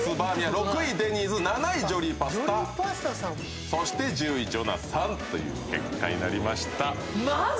６位デニーズ７位ジョリーパスタジョリーパスタさんそして１０位ジョナサンという結果になりましたマジ！？